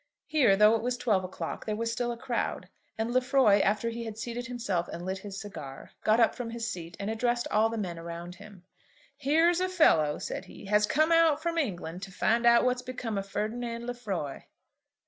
Here, though it was twelve o'clock, there was still a crowd; and Lefroy, after he had seated himself and lit his cigar, got up from his seat and addressed all the men around him. "Here's a fellow," said he, "has come out from England to find out what's become of Ferdinand Lefroy."